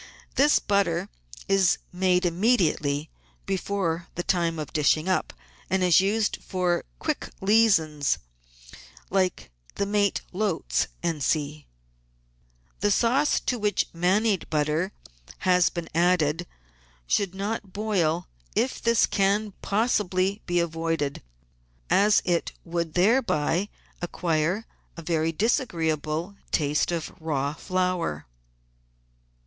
This butter is made immediately before the time of dishing up, and is used for quick leasons like the Mat^ lotes, &c. COLD SAUCES AND COMPOUND BUTTERS 57 The sauce to which manied butter has been added should not boil if this can possibly be avoided, as it would thereby acquire a very disagreeajjle taste of raw flour.